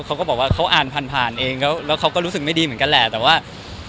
เขาก็บอกว่าเขาอ่านผ่านผ่านเองแล้วเขาก็รู้สึกไม่ดีเหมือนกันแหละแต่ว่า